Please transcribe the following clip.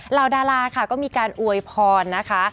ดาราค่ะก็มีการอวยพรนะคะ